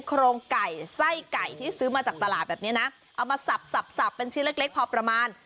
โครงไก่ไส้ไก่ที่ซื้อมาจากตลาดแบบนี้นะเอามาสับสับเป็นชิ้นเล็กเล็กพอประมาณ